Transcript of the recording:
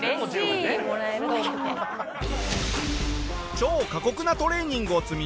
超過酷なトレーニングを積み